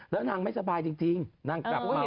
แล้วนางไม่สบายจริงนางกลับมา